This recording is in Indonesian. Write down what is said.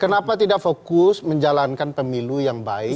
kenapa tidak fokus menjalankan pemilu yang baik